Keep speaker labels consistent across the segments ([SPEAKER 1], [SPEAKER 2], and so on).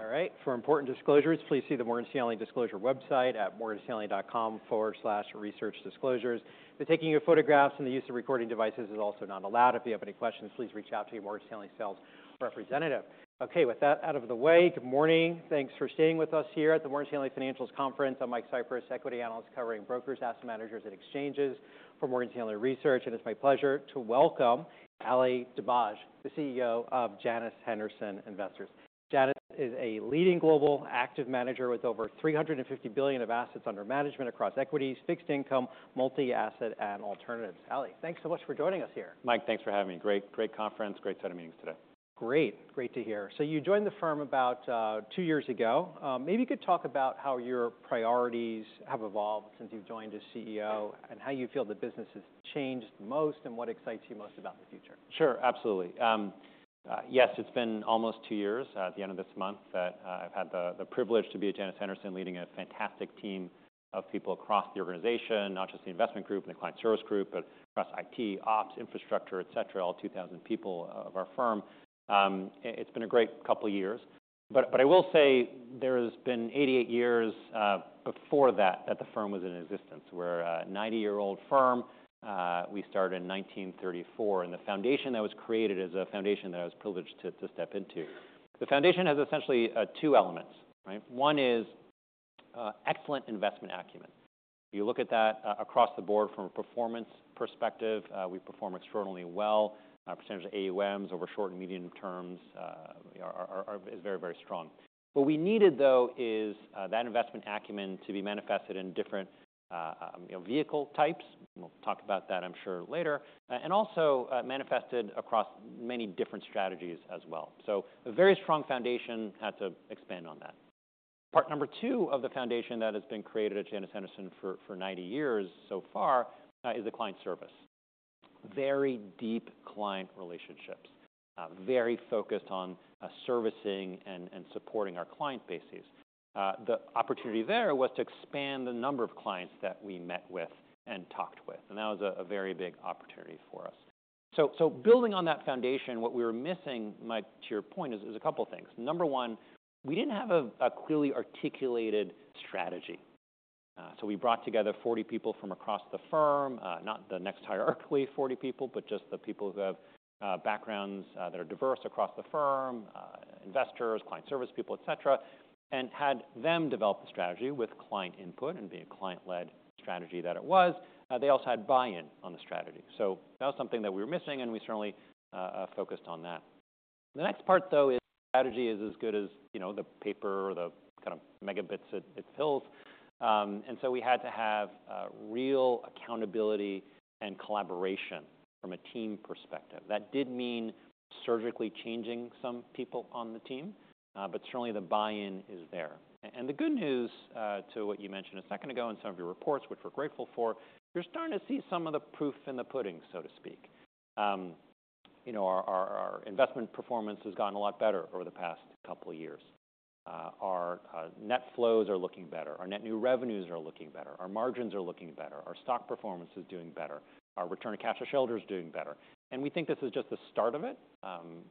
[SPEAKER 1] Right. Yeah. All right. For important disclosures, please see the Morgan Stanley disclosure website at morganstanley.com/researchdisclosures. The taking of photographs and the use of recording devices is also not allowed. If you have any questions, please reach out to your Morgan Stanley sales representative. Okay. With that out of the way, good morning. Thanks for staying with us here at the Morgan Stanley Financials Conference. I'm Michael Cyprys, equity analyst covering brokers, asset managers, and exchanges for Morgan Stanley Research. It's my pleasure to welcome Ali Dibadj, the CEO of Janus Henderson Investors. Janus is a leading global active manager with over $350 billion of assets under management across equities, fixed income, multi-asset, and alternatives. Ali, thanks so much for joining us here.
[SPEAKER 2] Mike, thanks for having me. Great, great conference. Great set of meetings today.
[SPEAKER 1] Great. Great to hear. So you joined the firm about two years ago. Maybe you could talk about how your priorities have evolved since you've joined as CEO and how you feel the business has changed most and what excites you most about the future.
[SPEAKER 2] Sure. Absolutely. Yes. It's been almost two years at the end of this month that I've had the privilege to be at Janus Henderson, leading a fantastic team of people across the organization, not just the investment group and the client service group, but across IT, ops, infrastructure, et cetera, all 2,000 people of our firm. It's been a great couple of years. But I will say there has been 88 years before that that the firm was in existence. We're a 90-year-old firm. We started in 1934. And the foundation that was created is a foundation that I was privileged to step into. The foundation has essentially two elements. One is excellent investment acumen. You look at that across the board from a performance perspective, we perform extraordinarily well. Our percentage of AUMs over short and medium terms is very, very strong. What we needed, though, is that investment acumen to be manifested in different vehicle types. We'll talk about that, I'm sure, later. And also manifested across many different strategies as well. So a very strong foundation had to expand on that. Part number 2 of the foundation that has been created at Janus Henderson for 90 years so far is the client service. Very deep client relationships, very focused on servicing and supporting our client bases. The opportunity there was to expand the number of clients that we met with and talked with. And that was a very big opportunity for us. So building on that foundation, what we were missing, Mike, to your point, is a couple of things. Number 1, we didn't have a clearly articulated strategy. So we brought together 40 people from across the firm, not the next hierarchical 40 people, but just the people who have backgrounds that are diverse across the firm, investors, client service people, et cetera, and had them develop the strategy with client input and being a client-led strategy that it was. They also had buy-in on the strategy. So that was something that we were missing, and we certainly focused on that. The next part, though, is strategy is as good as the paper or the kind of megabits it fills. So we had to have real accountability and collaboration from a team perspective. That did mean surgically changing some people on the team, but certainly the buy-in is there. The good news to what you mentioned a second ago in some of your reports, which we're grateful for, you're starting to see some of the proof in the pudding, so to speak. Our investment performance has gotten a lot better over the past couple of years. Our net flows are looking better. Our net new revenues are looking better. Our margins are looking better. Our stock performance is doing better. Our return of cash to shareholders is doing better. We think this is just the start of it,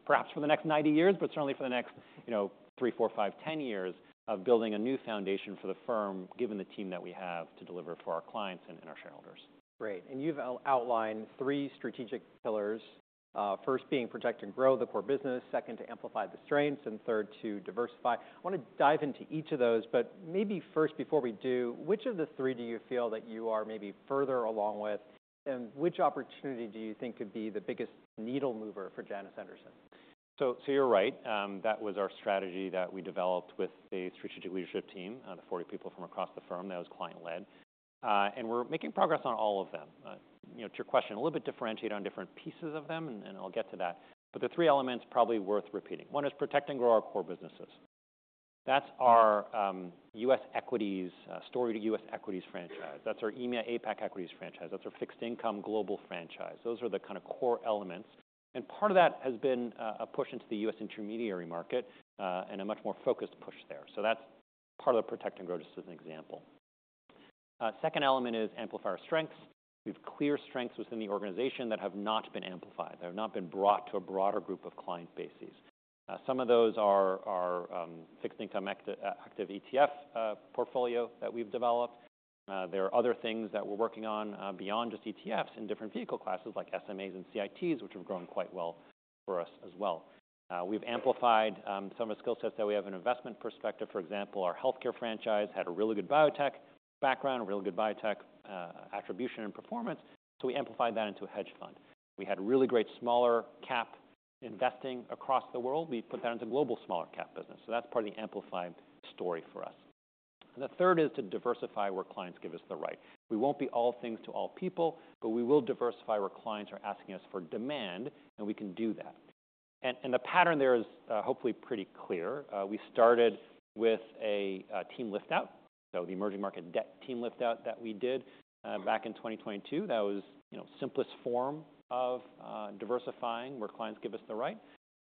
[SPEAKER 2] perhaps for the next 90 years, but certainly for the next 3, 4, 5, 10 years of building a new foundation for the firm, given the team that we have to deliver for our clients and our shareholders.
[SPEAKER 1] Great. You've outlined three strategic pillars, first being protect and grow the core business, second to amplify the strengths, and third to diversify. I want to dive into each of those, but maybe first, before we do, which of the three do you feel that you are maybe further along with, and which opportunity do you think could be the biggest needle mover for Janus Henderson?
[SPEAKER 2] So you're right. That was our strategy that we developed with the strategic leadership team, the 40 people from across the firm. That was client-led. And we're making progress on all of them. To your question, a little bit differentiated on different pieces of them, and I'll get to that. But the three elements are probably worth repeating. One is protect and grow our core businesses. That's our U.S. equities, storied U.S. equities franchise. That's our EMEA APAC equities franchise. That's our fixed income global franchise. Those are the kind of core elements. And part of that has been a push into the U.S. intermediary market and a much more focused push there. So that's part of the protect and grow, just as an example. Second element is amplify our strengths. We have clear strengths within the organization that have not been amplified, that have not been brought to a broader group of client bases. Some of those are our fixed income active ETF portfolio that we've developed. There are other things that we're working on beyond just ETFs in different vehicle classes like SMAs and CITs, which have grown quite well for us as well. We've amplified some of the skill sets that we have in investment perspective. For example, our healthcare franchise had a really good biotech background, a really good biotech attribution and performance. So we amplified that into a hedge fund. We had really great small-cap investing across the world. We put that into global small-cap business. So that's part of the amplified story for us. The third is to diversify where clients give us the right. We won't be all things to all people, but we will diversify where clients are asking us for demand, and we can do that. The pattern there is hopefully pretty clear. We started with a team liftout, so the emerging market debt team liftout that we did back in 2022. That was the simplest form of diversifying where clients give us the right.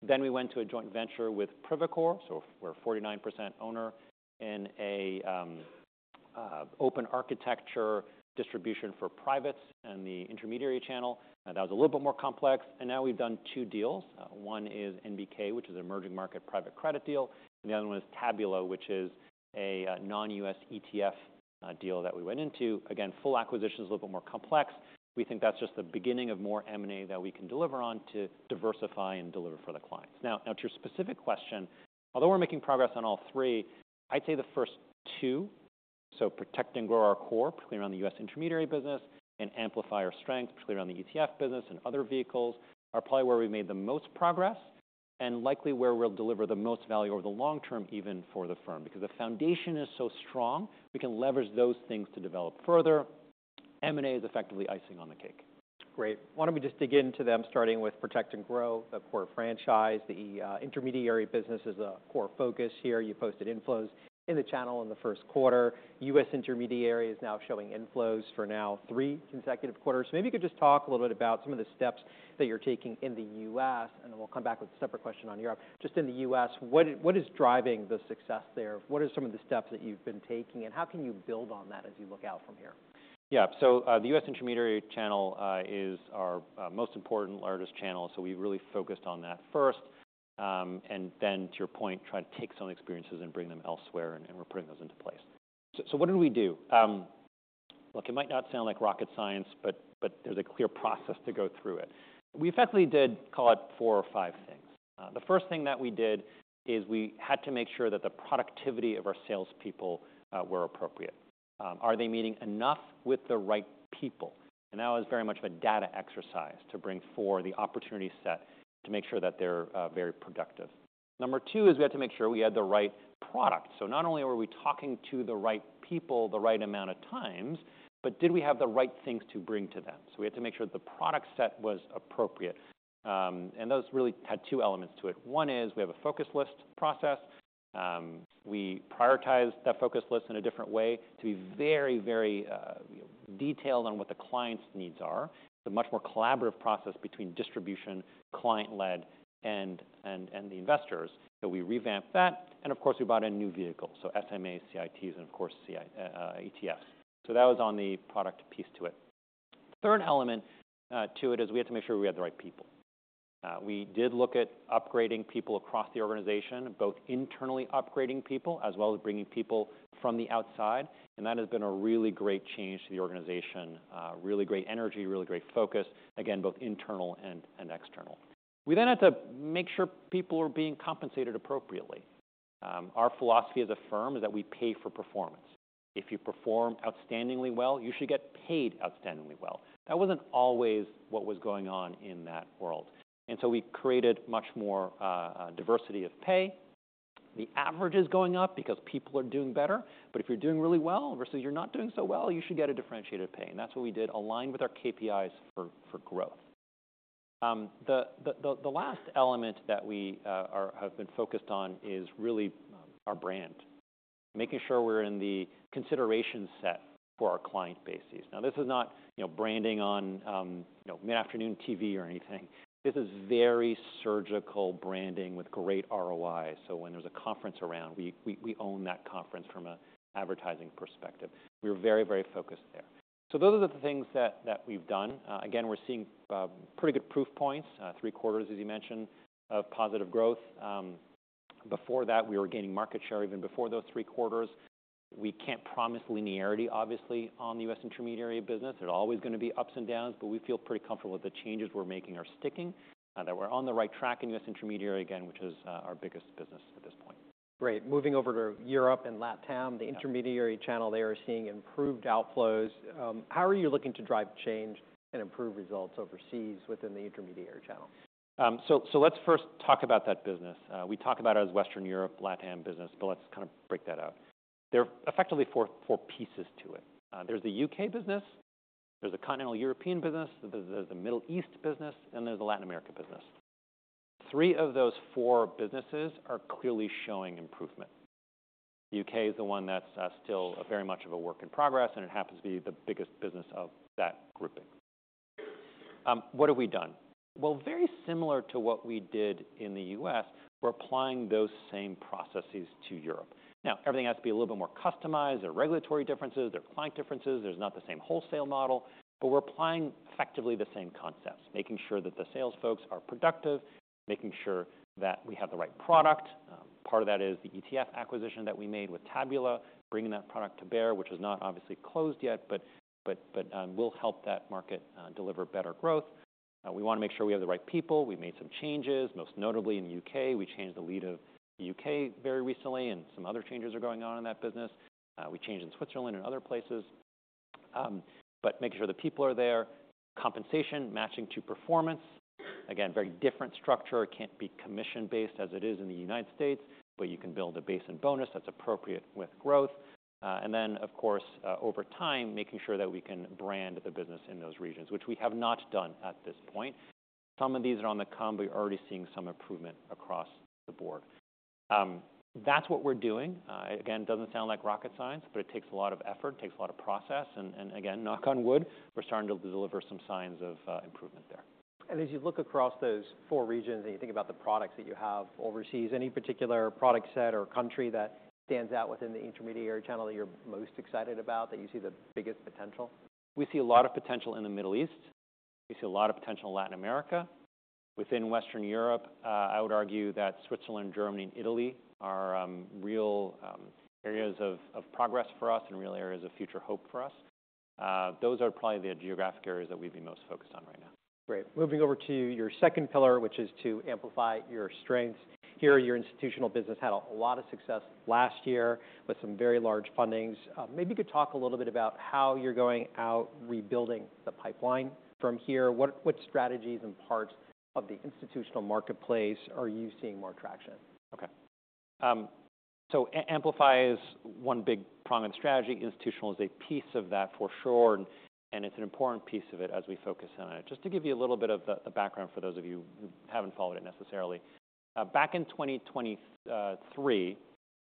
[SPEAKER 2] Then we went to a joint venture with Privacore. So we're a 49% owner in an open architecture distribution for privates and the intermediary channel. That was a little bit more complex. Now we've done two deals. One is NBK, which is an emerging market private credit deal. The other one is Tabula, which is a non-US ETF deal that we went into. Again, full acquisition is a little bit more complex. We think that's just the beginning of more M&A that we can deliver on to diversify and deliver for the clients. Now, to your specific question, although we're making progress on all three, I'd say the first two, so protect and grow our core, particularly around the U.S. intermediary business, and amplify our strength, particularly around the ETF business and other vehicles, are probably where we've made the most progress and likely where we'll deliver the most value over the long term, even for the firm. Because the foundation is so strong, we can leverage those things to develop further. M&A is effectively icing on the cake.
[SPEAKER 1] Great. Why don't we just dig into them, starting with protect and grow, the core franchise, the intermediary business is a core focus here. You posted inflows in the channel in the first quarter. U.S. intermediary is now showing inflows for now three consecutive quarters. So maybe you could just talk a little bit about some of the steps that you're taking in the U.S., and then we'll come back with a separate question on Europe. Just in the U.S., what is driving the success there? What are some of the steps that you've been taking, and how can you build on that as you look out from here?
[SPEAKER 2] Yeah. So the U.S. intermediary channel is our most important, largest channel. So we really focused on that first. And then, to your point, trying to take some of the experiences and bring them elsewhere, and we're putting those into place. So what did we do? Look, it might not sound like rocket science, but there's a clear process to go through it. We effectively did call it four or five things. The first thing that we did is we had to make sure that the productivity of our salespeople were appropriate. Are they meeting enough with the right people? And that was very much of a data exercise to bring forward the opportunity set to make sure that they're very productive. Number two is we had to make sure we had the right product. Not only were we talking to the right people the right amount of times, but did we have the right things to bring to them? We had to make sure that the product set was appropriate. Those really had two elements to it. One is we have a focus list process. We prioritized that focus list in a different way to be very, very detailed on what the client's needs are. It's a much more collaborative process between distribution, client-led, and the investors. We revamped that. Of course, we brought in new vehicles, so SMA, CITs, and of course, ETFs. That was on the product piece to it. The third element to it is we had to make sure we had the right people. We did look at upgrading people across the organization, both internally upgrading people as well as bringing people from the outside. That has been a really great change to the organization, really great energy, really great focus, again, both internal and external. We then had to make sure people are being compensated appropriately. Our philosophy as a firm is that we pay for performance. If you perform outstandingly well, you should get paid outstandingly well. That wasn't always what was going on in that world. So we created much more diversity of pay. The average is going up because people are doing better. But if you're doing really well versus you're not doing so well, you should get a differentiated pay. That's what we did, aligned with our KPIs for growth. The last element that we have been focused on is really our brand, making sure we're in the consideration set for our client bases. Now, this is not branding on mid-afternoon TV or anything. This is very surgical branding with great ROI. So when there's a conference around, we own that conference from an advertising perspective. We were very, very focused there. So those are the things that we've done. Again, we're seeing pretty good proof points, three quarters, as you mentioned, of positive growth. Before that, we were gaining market share even before those three quarters. We can't promise linearity, obviously, on the U.S. intermediary business. There are always going to be ups and downs, but we feel pretty comfortable that the changes we're making are sticking, that we're on the right track in U.S. intermediary, again, which is our biggest business at this point.
[SPEAKER 1] Great. Moving over to Europe and LatAm, the intermediary channel, they are seeing improved outflows. How are you looking to drive change and improve results overseas within the intermediary channel?
[SPEAKER 2] So let's first talk about that business. We talk about it as Western Europe, LatAm business, but let's kind of break that out. There are effectively four pieces to it. There's the U.K. business. There's a continental European business. There's a Middle East business. And there's a Latin America business. Three of those four businesses are clearly showing improvement. The U.K. is the one that's still very much of a work in progress, and it happens to be the biggest business of that grouping. What have we done? Well, very similar to what we did in the U.S., we're applying those same processes to Europe. Now, everything has to be a little bit more customized. There are regulatory differences. There are client differences. There's not the same wholesale model. But we're applying effectively the same concepts, making sure that the sales folks are productive, making sure that we have the right product. Part of that is the ETF acquisition that we made with Tabula, bringing that product to bear, which is not obviously closed yet, but will help that market deliver better growth. We want to make sure we have the right people. We've made some changes, most notably in the U.K. We changed the lead of the U.K. very recently, and some other changes are going on in that business. We changed in Switzerland and other places, but making sure the people are there. Compensation matching to performance. Again, very different structure. It can't be commission-based as it is in the United States, but you can build a base and bonus that's appropriate with growth. And then, of course, over time, making sure that we can brand the business in those regions, which we have not done at this point. Some of these are on the come. We're already seeing some improvement across the board. That's what we're doing. Again, it doesn't sound like rocket science, but it takes a lot of effort, takes a lot of process. And again, knock on wood, we're starting to deliver some signs of improvement there.
[SPEAKER 1] As you look across those four regions and you think about the products that you have overseas, any particular product set or country that stands out within the intermediary channel that you're most excited about, that you see the biggest potential?
[SPEAKER 2] We see a lot of potential in the Middle East. We see a lot of potential in Latin America. Within Western Europe, I would argue that Switzerland, Germany, and Italy are real areas of progress for us and real areas of future hope for us. Those are probably the geographic areas that we'd be most focused on right now.
[SPEAKER 1] Great. Moving over to your second pillar, which is to amplify your strengths. Here, your institutional business had a lot of success last year with some very large fundings. Maybe you could talk a little bit about how you're going out rebuilding the pipeline from here. What strategies and parts of the institutional marketplace are you seeing more traction?
[SPEAKER 2] Okay. So Amplify is one big prominent strategy. Institutional is a piece of that, for sure. And it's an important piece of it as we focus on it. Just to give you a little bit of the background for those of you who haven't followed it necessarily, back in 2023,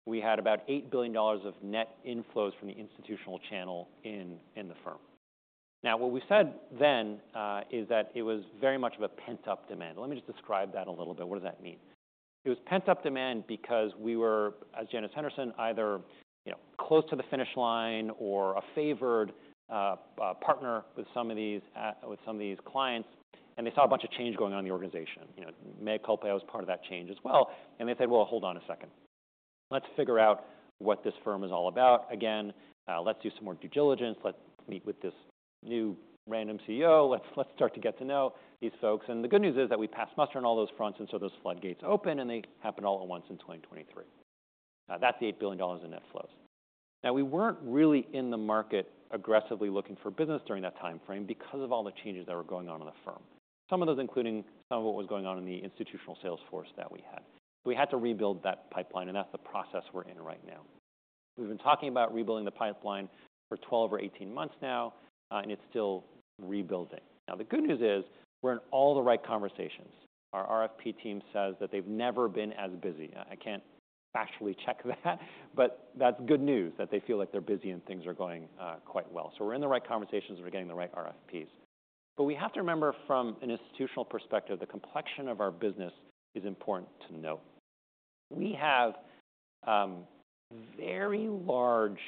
[SPEAKER 2] we had about $8 billion of net inflows from the institutional channel in the firm. Now, what we said then is that it was very much of a pent-up demand. Let me just describe that a little bit. What does that mean? It was pent-up demand because we were, as Janus Henderson, either close to the finish line or a favored partner with some of these clients. And they saw a bunch of change going on in the organization. Board composition was part of that change as well. And they said, "Well, hold on a second. Let's figure out what this firm is all about. Again, let's do some more due diligence. Let's meet with this new random CEO. Let's start to get to know these folks. The good news is that we passed muster on all those fronts, and so those floodgates opened, and they happened all at once in 2023. That's the $8 billion in net flows. Now, we weren't really in the market aggressively looking for business during that timeframe because of all the changes that were going on in the firm, some of those including some of what was going on in the institutional sales force that we had. We had to rebuild that pipeline, and that's the process we're in right now. We've been talking about rebuilding the pipeline for 12 or 18 months now, and it's still rebuilding. Now, the good news is we're in all the right conversations. Our RFP team says that they've never been as busy. I can't factually check that, but that's good news that they feel like they're busy and things are going quite well. So we're in the right conversations and we're getting the right RFPs. But we have to remember from an institutional perspective, the complexion of our business is important to note. We have very large,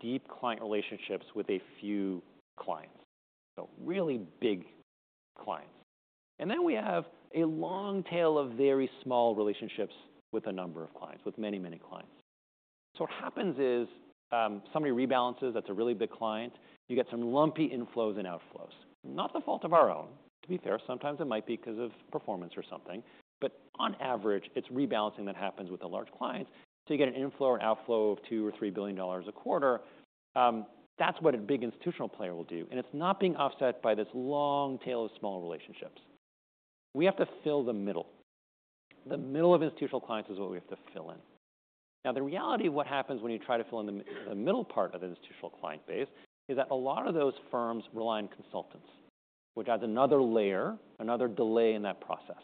[SPEAKER 2] deep client relationships with a few clients, so really big clients. And then we have a long tail of very small relationships with a number of clients, with many, many clients. So what happens is somebody rebalances. That's a really big client. You get some lumpy inflows and outflows. Not the fault of our own, to be fair. Sometimes it might be because of performance or something. But on average, it's rebalancing that happens with the large clients. So you get an inflow and outflow of $2-$3 billion a quarter. That's what a big institutional player will do. And it's not being offset by this long tail of small relationships. We have to fill the middle. The middle of institutional clients is what we have to fill in. Now, the reality of what happens when you try to fill in the middle part of the institutional client base is that a lot of those firms rely on consultants, which adds another layer, another delay in that process.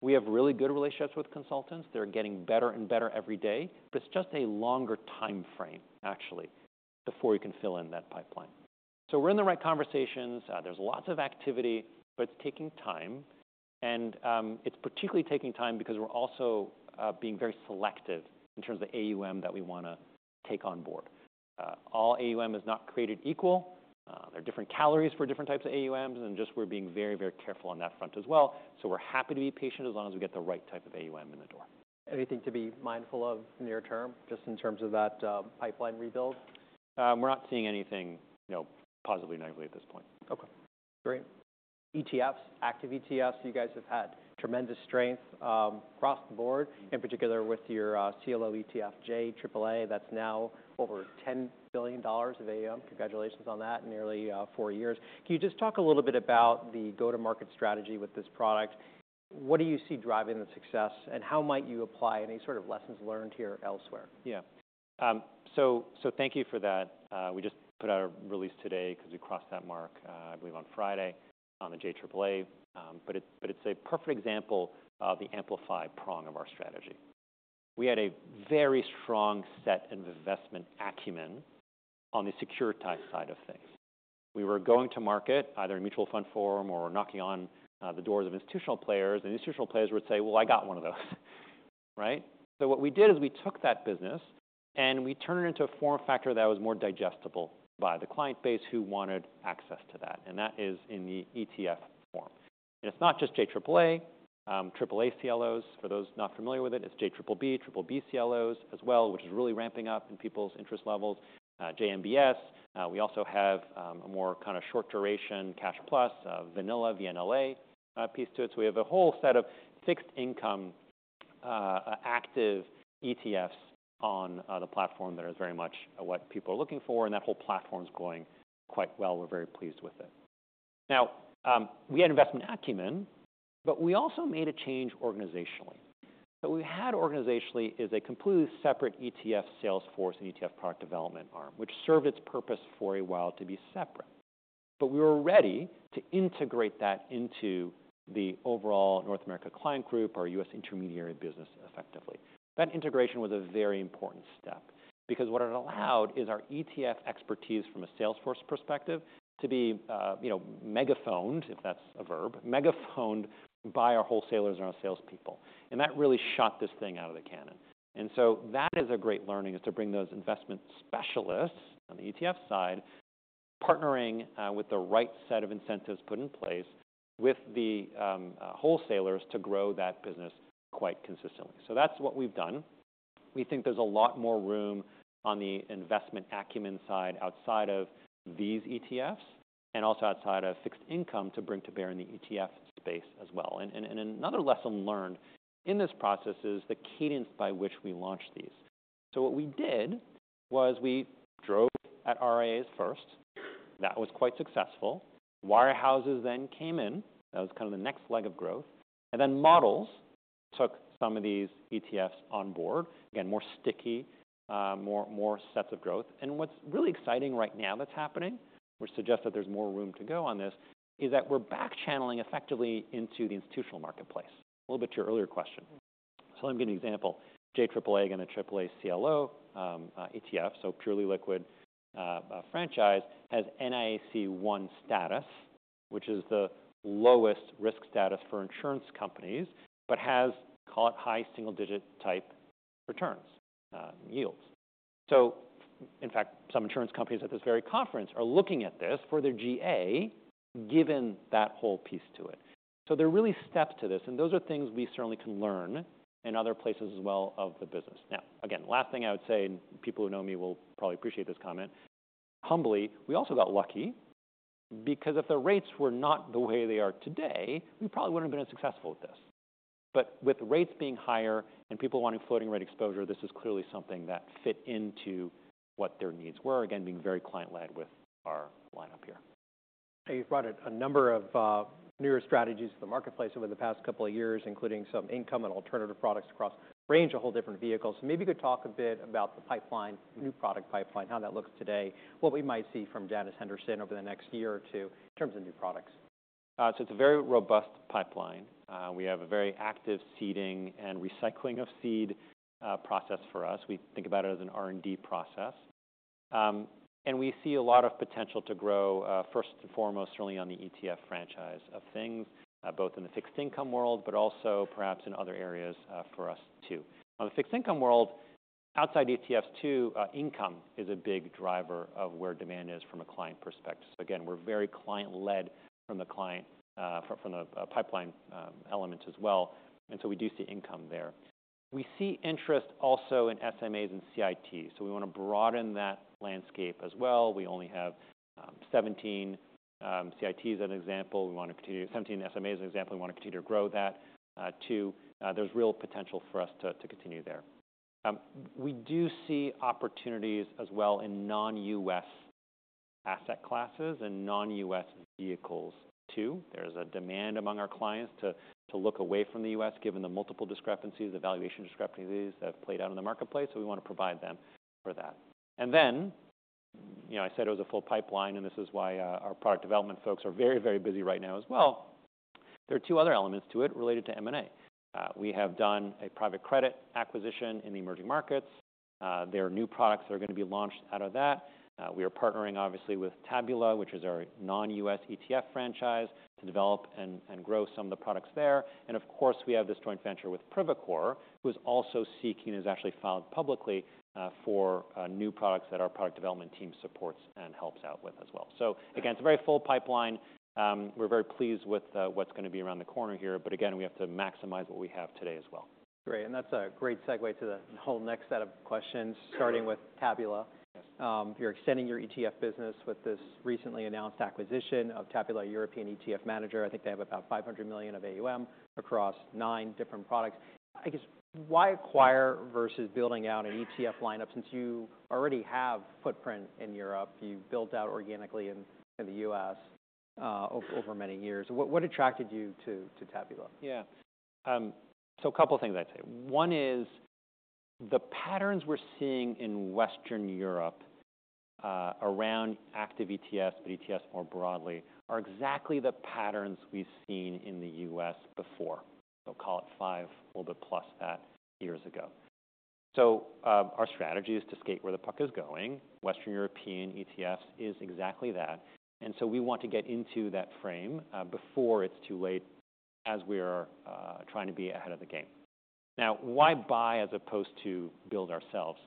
[SPEAKER 2] We have really good relationships with consultants. They're getting better and better every day. But it's just a longer timeframe, actually, before you can fill in that pipeline. So we're in the right conversations. There's lots of activity, but it's taking time. It's particularly taking time because we're also being very selective in terms of the AUM that we want to take on board. All AUM is not created equal. There are different calories for different types of AUMs. And just we're being very, very careful on that front as well. We're happy to be patient as long as we get the right type of AUM in the door.
[SPEAKER 1] Anything to be mindful of near term just in terms of that pipeline rebuild?
[SPEAKER 2] We're not seeing anything positively or negatively at this point.
[SPEAKER 1] Okay. Great. ETFs, active ETFs, you guys have had tremendous strength across the board, in particular with your CLO ETF, JAAA. That's now over $10 billion of AUM. Congratulations on that, nearly four years. Can you just talk a little bit about the go-to-market strategy with this product? What do you see driving the success, and how might you apply any sort of lessons learned here elsewhere?
[SPEAKER 2] Yeah. So thank you for that. We just put out a release today because we crossed that mark, I believe, on Friday on the JAAA. But it's a perfect example of the Amplify prong of our strategy. We had a very strong set of investment acumen on the securitized side of things. We were going to market either a mutual fund format or knocking on the doors of institutional players. And institutional players would say, "Well, I got one of those." Right? So what we did is we took that business and we turned it into a form factor that was more digestible by the client base who wanted access to that. And that is in the ETF form. And it's not just JAAA, AAA CLOs. For those not familiar with it, it's JAAA, JBBB CLOs as well, which is really ramping up in people's interest levels, JMBS. We also have a more kind of short duration cash plus, a vanilla, VNLA piece to it. So we have a whole set of fixed income active ETFs on the platform that is very much what people are looking for. And that whole platform is going quite well. We're very pleased with it. Now, we had investment acumen, but we also made a change organizationally. So what we had organizationally is a completely separate ETF sales force and ETF product development arm, which served its purpose for a while to be separate. But we were ready to integrate that into the overall North America client group, our US intermediary business effectively. That integration was a very important step because what it allowed is our ETF expertise from a sales force perspective to be megaphoned, if that's a verb, megaphoned by our wholesalers and our salespeople. And that really shot this thing out of the cannon. And so that is a great learning is to bring those investment specialists on the ETF side, partnering with the right set of incentives put in place with the wholesalers to grow that business quite consistently. So that's what we've done. We think there's a lot more room on the investment acumen side outside of these ETFs and also outside of fixed income to bring to bear in the ETF space as well. And another lesson learned in this process is the cadence by which we launched these. So what we did was we drove at RIAs first. That was quite successful. Wirehouses then came in. That was kind of the next leg of growth. Then models took some of these ETFs on board. Again, more sticky, more sets of growth. What's really exciting right now that's happening, which suggests that there's more room to go on this, is that we're back channeling effectively into the institutional marketplace. A little bit to your earlier question. So let me give you an example. JAAA, again, a AAA CLO ETF, so purely liquid franchise, has NAIC 1 status, which is the lowest risk status for insurance companies, but has, call it high single-digit type returns, yields. So in fact, some insurance companies at this very conference are looking at this for their GA, given that whole piece to it. So there are really steps to this. And those are things we certainly can learn in other places as well of the business. Now, again, last thing I would say, and people who know me will probably appreciate this comment, humbly, we also got lucky because if the rates were not the way they are today, we probably wouldn't have been as successful at this. But with rates being higher and people wanting floating rate exposure, this is clearly something that fit into what their needs were, again, being very client-led with our lineup here.
[SPEAKER 1] You've brought a number of newer strategies to the marketplace over the past couple of years, including some income and alternative products across a range of whole different vehicles. So maybe you could talk a bit about the pipeline, new product pipeline, how that looks today, what we might see from Janus Henderson over the next year or two in terms of new products.
[SPEAKER 2] So it's a very robust pipeline. We have a very active seeding and recycling of seed process for us. We think about it as an R&D process. And we see a lot of potential to grow, first and foremost, certainly on the ETF franchise of things, both in the fixed income world, but also perhaps in other areas for us too. On the fixed income world, outside ETFs too, income is a big driver of where demand is from a client perspective. So again, we're very client-led from the client, from the pipeline element as well. And so we do see income there. We see interest also in SMAs and CITs. So we want to broaden that landscape as well. We only have 17 CITs as an example. We want to continue 17 SMAs as an example. We want to continue to grow that too. There's real potential for us to continue there. We do see opportunities as well in non-US asset classes and non-US vehicles too. There is a demand among our clients to look away from the US, given the multiple discrepancies, the valuation discrepancies that have played out in the marketplace. So we want to provide them for that. And then I said it was a full pipeline, and this is why our product development folks are very, very busy right now as well. There are two other elements to it related to M&A. We have done a private credit acquisition in the emerging markets. There are new products that are going to be launched out of that. We are partnering, obviously, with Tabula, which is our non-US ETF franchise, to develop and grow some of the products there. And of course, we have this joint venture with Privacore, who is also seeking, has actually filed publicly for new products that our product development team supports and helps out with as well. So again, it's a very full pipeline. We're very pleased with what's going to be around the corner here. But again, we have to maximize what we have today as well.
[SPEAKER 1] Great. That's a great segue to the whole next set of questions, starting with Tabula. You're extending your ETF business with this recently announced acquisition of Tabula European ETF Manager. I think they have about $500 million of AUM across nine different products. I guess, why acquire versus building out an ETF lineup since you already have footprint in Europe? You built out organically in the U.S. over many years. What attracted you to Tabula?
[SPEAKER 2] Yeah. So a couple of things I'd say. One is the patterns we're seeing in Western Europe around active ETFs, but ETFs more broadly, are exactly the patterns we've seen in the U.S. before, so call it 5, a little bit plus that years ago. So our strategy is to skate where the puck is going. Western European ETFs is exactly that. And so we want to get into that frame before it's too late as we are trying to be ahead of the game. Now, why buy as opposed to build ourselves?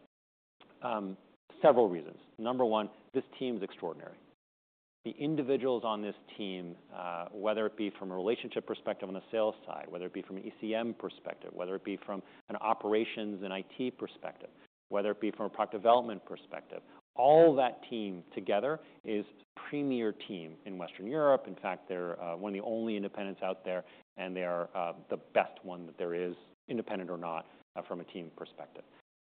[SPEAKER 2] Several reasons. Number one, this team is extraordinary. The individuals on this team, whether it be from a relationship perspective on the sales side, whether it be from an ECM perspective, whether it be from an operations and IT perspective, whether it be from a product development perspective, all that team together is a premier team in Western Europe. In fact, they're one of the only independents out there, and they are the best one that there is, independent or not, from a team perspective.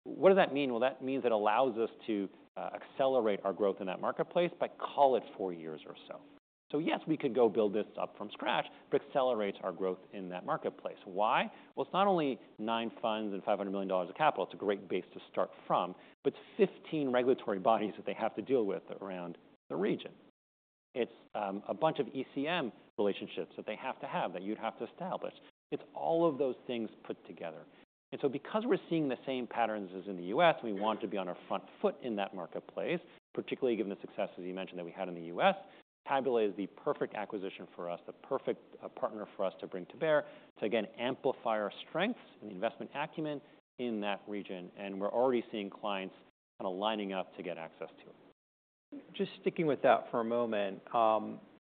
[SPEAKER 2] What does that mean? Well, that means it allows us to accelerate our growth in that marketplace by, call it, four years or so. So yes, we could go build this up from scratch, but accelerates our growth in that marketplace. Why? Well, it's not only nine funds and $500 million of capital. It's a great base to start from, but it's 15 regulatory bodies that they have to deal with around the region. It's a bunch of ECM relationships that they have to have that you'd have to establish. It's all of those things put together. And so because we're seeing the same patterns as in the U.S., we want to be on our front foot in that marketplace, particularly given the success, as you mentioned, that we had in the U.S., Tabula is the perfect acquisition for us, the perfect partner for us to bring to bear to, again, amplify our strengths and the investment acumen in that region. And we're already seeing clients kind of lining up to get access to it.
[SPEAKER 1] Just sticking with that for a moment,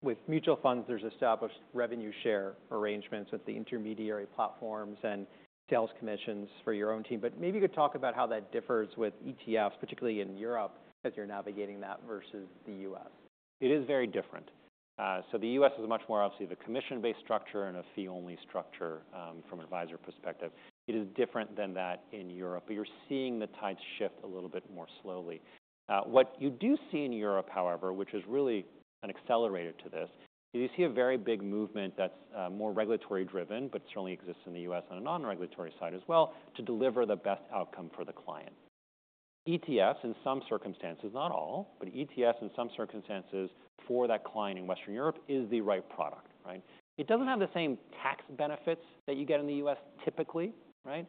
[SPEAKER 1] with mutual funds, there's established revenue share arrangements with the intermediary platforms and sales commissions for your own team. But maybe you could talk about how that differs with ETFs, particularly in Europe, as you're navigating that versus the U.S.?
[SPEAKER 2] It is very different. So the U.S. is much more, obviously, the commission-based structure and a fee-only structure from an advisor perspective. It is different than that in Europe. But you're seeing the tides shift a little bit more slowly. What you do see in Europe, however, which is really an accelerator to this, is you see a very big movement that's more regulatory driven, but certainly exists in the U.S. on a non-regulatory side as well, to deliver the best outcome for the client. ETFs, in some circumstances, not all, but ETFs in some circumstances for that client in Western Europe is the right product. Right? It doesn't have the same tax benefits that you get in the U.S. typically. Right?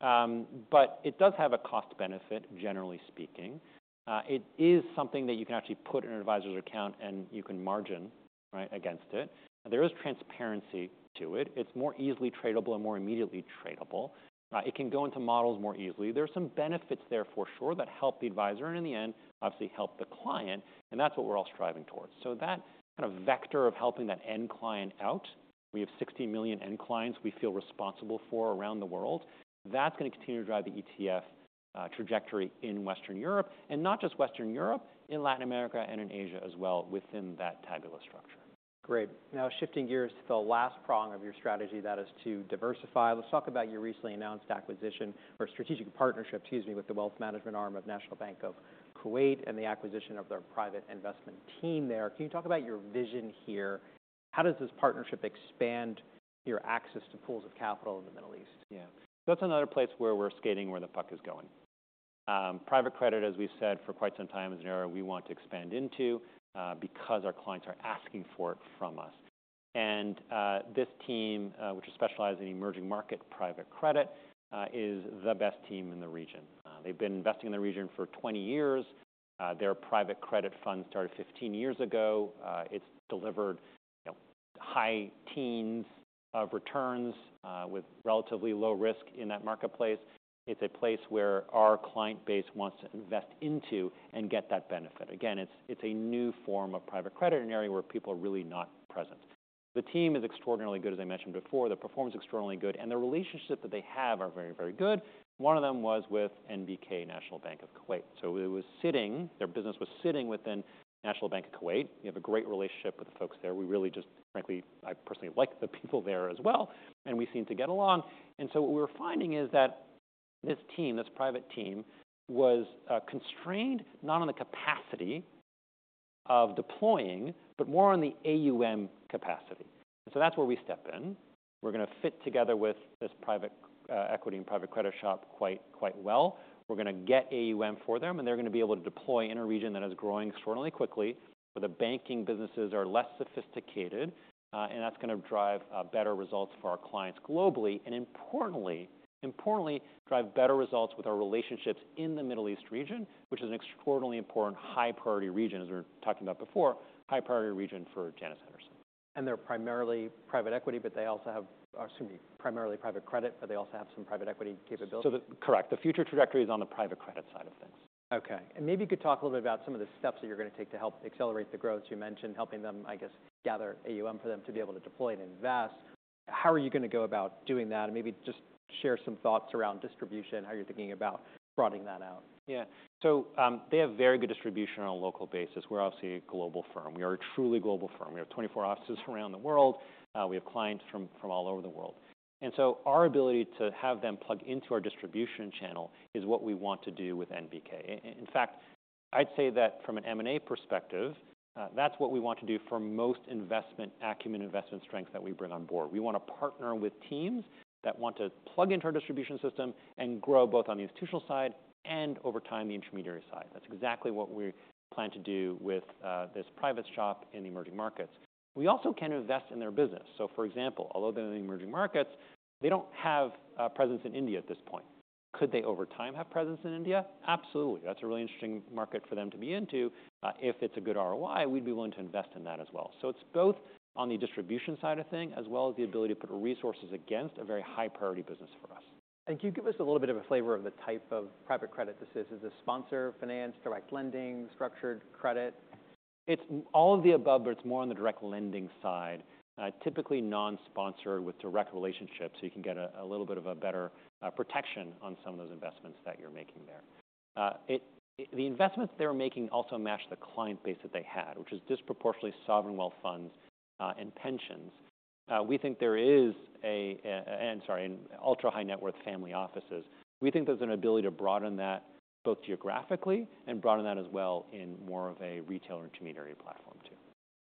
[SPEAKER 2] But it does have a cost benefit, generally speaking. It is something that you can actually put in an advisor's account, and you can margin against it. There is transparency to it. It's more easily tradable and more immediately tradable. It can go into models more easily. There are some benefits there for sure that help the advisor and, in the end, obviously help the client. And that's what we're all striving towards. So that kind of vector of helping that end client out, we have 60 million end clients we feel responsible for around the world. That's going to continue to drive the ETF trajectory in Western Europe, and not just Western Europe, in Latin America and in Asia as well within that Tabula structure.
[SPEAKER 1] Great. Now, shifting gears to the last prong of your strategy, that is to diversify. Let's talk about your recently announced acquisition or strategic partnership, excuse me, with the wealth management arm of National Bank of Kuwait and the acquisition of their private investment team there. Can you talk about your vision here? How does this partnership expand your access to pools of capital in the Middle East?
[SPEAKER 2] Yeah. So that's another place where we're skating where the puck is going. Private credit, as we've said for quite some time as an area, we want to expand into because our clients are asking for it from us. And this team, which is specialized in emerging market private credit, is the best team in the region. They've been investing in the region for 20 years. Their private credit fund started 15 years ago. It's delivered high teens of returns with relatively low risk in that marketplace. It's a place where our client base wants to invest into and get that benefit. Again, it's a new form of private credit in an area where people are really not present. The team is extraordinarily good, as I mentioned before. Their performance is extraordinarily good. And the relationships that they have are very, very good. One of them was with NBK, National Bank of Kuwait. So it was sitting there. Their business was sitting within National Bank of Kuwait. We have a great relationship with the folks there. We really just, frankly, I personally like the people there as well. And we seem to get along. And so what we were finding is that this team, this private team, was constrained not on the capacity of deploying, but more on the AUM capacity. And so that's where we step in. We're going to fit together with this private equity and private credit shop quite well. We're going to get AUM for them, and they're going to be able to deploy in a region that is growing extraordinarily quickly where the banking businesses are less sophisticated. That's going to drive better results for our clients globally and, importantly, drive better results with our relationships in the Middle East region, which is an extraordinarily important high-priority region, as we were talking about before, high-priority region for Janus Henderson.
[SPEAKER 1] They're primarily private equity, but they also have, excuse me, primarily private credit, but they also have some private equity capabilities.
[SPEAKER 2] Correct. The future trajectory is on the private credit side of things.
[SPEAKER 1] Okay. Maybe you could talk a little bit about some of the steps that you're going to take to help accelerate the growth. You mentioned helping them, I guess, gather AUM for them to be able to deploy and invest. How are you going to go about doing that? Maybe just share some thoughts around distribution, how you're thinking about broadening that out.
[SPEAKER 2] Yeah. So they have very good distribution on a local basis. We're obviously a global firm. We are a truly global firm. We have 24 offices around the world. We have clients from all over the world. And so our ability to have them plug into our distribution channel is what we want to do with NBK. In fact, I'd say that from an M&A perspective, that's what we want to do for most investment acumen investment strength that we bring on board. We want to partner with teams that want to plug into our distribution system and grow both on the institutional side and, over time, the intermediary side. That's exactly what we plan to do with this private shop in the emerging markets. We also can invest in their business. So for example, although they're in the emerging markets, they don't have a presence in India at this point. Could they, over time, have presence in India? Absolutely. That's a really interesting market for them to be into. If it's a good ROI, we'd be willing to invest in that as well. So it's both on the distribution side of things as well as the ability to put resources against a very high-priority business for us.
[SPEAKER 1] Can you give us a little bit of a flavor of the type of private credit this is? Is it sponsor finance, direct lending, structured credit?
[SPEAKER 2] It's all of the above, but it's more on the direct lending side, typically non-sponsored with direct relationships. So you can get a little bit of a better protection on some of those investments that you're making there. The investments they're making also match the client base that they had, which is disproportionately sovereign wealth funds and pensions. We think there is an ultra-high net worth family offices. We think there's an ability to broaden that both geographically and broaden that as well in more of a retailer intermediary platform too.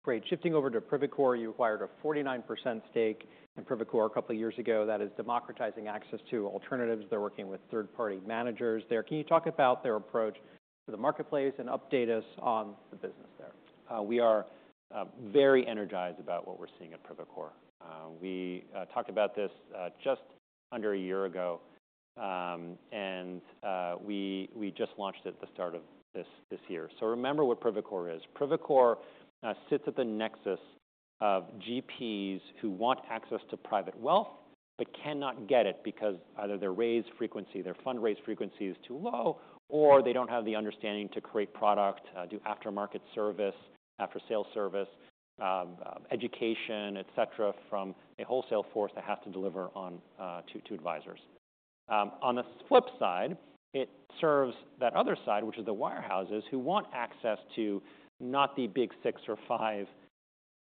[SPEAKER 1] Great. Shifting over to Privacore, you acquired a 49% stake in Privacore a couple of years ago. That is democratizing access to alternatives. They're working with third-party managers there. Can you talk about their approach to the marketplace and update us on the business there?
[SPEAKER 2] We are very energized about what we're seeing at Privacore. We talked about this just under a year ago. We just launched at the start of this year. Remember what Privacore is. Privacore sits at the nexus of GPs who want access to private wealth but cannot get it because either their raise frequency, their fund-raise frequency is too low, or they don't have the understanding to create product, do after-market service, after-sale service, education, et cetera, from a wholesale force that has to deliver to advisors. On the flip side, it serves that other side, which is the wirehouses, who want access to not the big six or five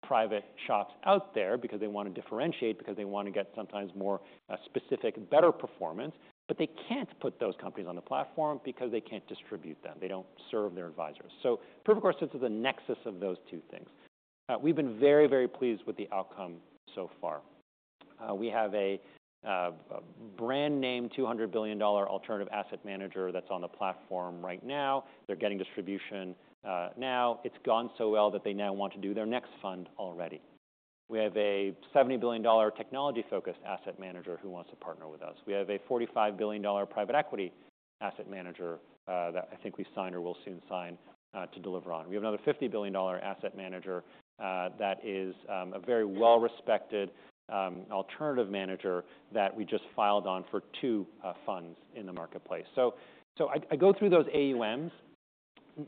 [SPEAKER 2] private shops out there because they want to differentiate, because they want to get sometimes more specific, better performance. They can't put those companies on the platform because they can't distribute them. They don't serve their advisors. So Privacore sits at the nexus of those two things. We've been very, very pleased with the outcome so far. We have a brand name $200 billion alternative asset manager that's on the platform right now. They're getting distribution now. It's gone so well that they now want to do their next fund already. We have a $70 billion technology-focused asset manager who wants to partner with us. We have a $45 billion private equity asset manager that I think we signed or will soon sign to deliver on. We have another $50 billion asset manager that is a very well-respected alternative manager that we just filed on for two funds in the marketplace. So I go through those AUMs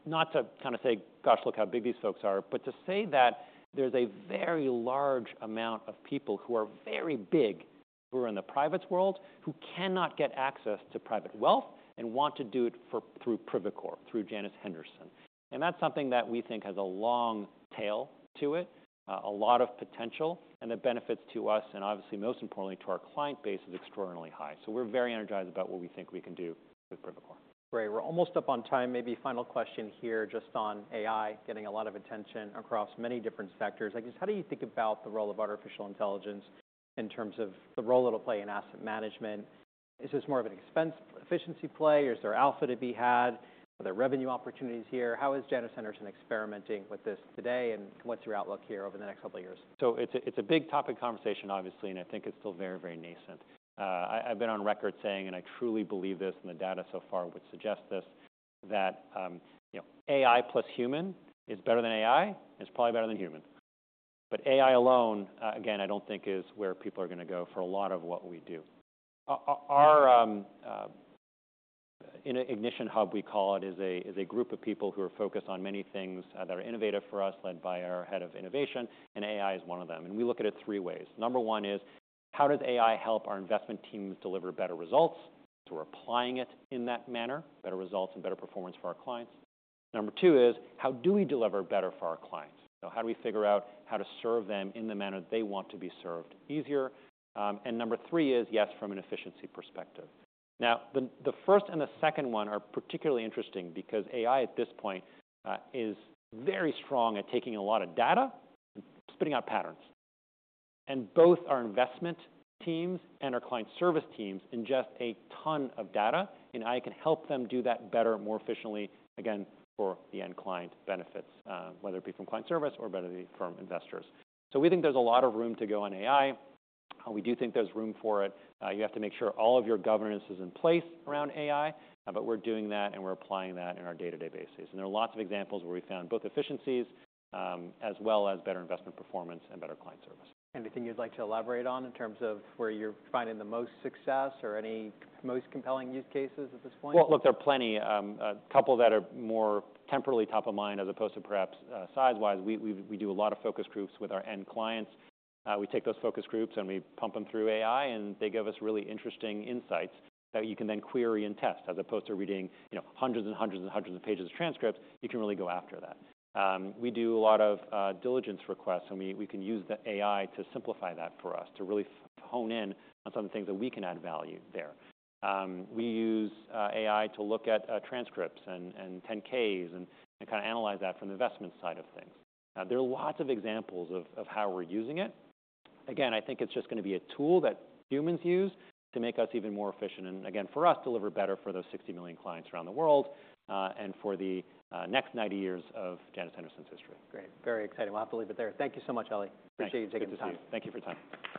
[SPEAKER 2] not to kind of say, gosh, look how big these folks are, but to say that there's a very large amount of people who are very big who are in the private world who cannot get access to private wealth and want to do it through Privacore, through Janus Henderson. That's something that we think has a long tail to it, a lot of potential. The benefits to us, and obviously, most importantly, to our client base is extraordinarily high. We're very energized about what we think we can do with Privacore.
[SPEAKER 1] Great. We're almost up on time. Maybe final question here, just on AI getting a lot of attention across many different sectors. I guess, how do you think about the role of artificial intelligence in terms of the role it'll play in asset management? Is this more of an expense efficiency play, or is there alpha to be had? Are there revenue opportunities here? How is Janus Henderson experimenting with this today, and what's your outlook here over the next couple of years?
[SPEAKER 2] So it's a big topic conversation, obviously, and I think it's still very, very nascent. I've been on record saying, and I truly believe this, and the data so far would suggest this, that AI plus human is better than AI, and it's probably better than human. But AI alone, again, I don't think is where people are going to go for a lot of what we do. Our innovation hub, we call it, is a group of people who are focused on many things that are innovative for us, led by our head of innovation, and AI is one of them. And we look at it three ways. Number one is, how does AI help our investment teams deliver better results? So we're applying it in that manner, better results and better performance for our clients. Number two is, how do we deliver better for our clients? So how do we figure out how to serve them in the manner they want to be served easier? And number three is, yes, from an efficiency perspective. Now, the first and the second one are particularly interesting because AI at this point is very strong at taking a lot of data and spitting out patterns. And both our investment teams and our client service teams ingest a ton of data, and AI can help them do that better, more efficiently, again, for the end client benefits, whether it be from client service or whether it be from investors. So we think there's a lot of room to go on AI. We do think there's room for it. You have to make sure all of your governance is in place around AI. But we're doing that, and we're applying that in our day-to-day basis. There are lots of examples where we found both efficiencies as well as better investment performance and better client service.
[SPEAKER 1] Anything you'd like to elaborate on in terms of where you're finding the most success or any most compelling use cases at this point?
[SPEAKER 2] Well, look, there are plenty. A couple that are more temporally top of mind, as opposed to perhaps size-wise. We do a lot of focus groups with our end clients. We take those focus groups, and we pump them through AI, and they give us really interesting insights that you can then query and test. As opposed to reading hundreds and hundreds and hundreds of pages of transcripts, you can really go after that. We do a lot of diligence requests, and we can use the AI to simplify that for us, to really hone in on some of the things that we can add value there. We use AI to look at transcripts and 10-Ks and kind of analyze that from the investment side of things. There are lots of examples of how we're using it. Again, I think it's just going to be a tool that humans use to make us even more efficient and, again, for us, deliver better for those 60 million clients around the world and for the next 90 years of Janus Henderson's history.
[SPEAKER 1] Great. Very exciting. Well, I have to leave it there. Thank you so much Ali, Appreciate you taking the time.
[SPEAKER 2] Thank you for the time.